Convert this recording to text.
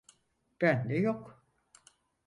Bende yok.